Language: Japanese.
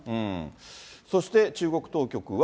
そして中国当局は。